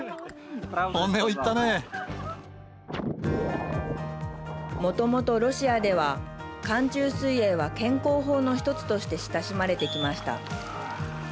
もともとロシアでは寒中水泳は、健康法の一つとして親しまれてきました。